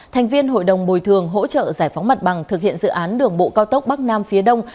thành viên hội đồng bồi thường hỗ trợ giải phóng mặt bằng thực hiện dự án đường bộ cao tốc bắc nam phía đông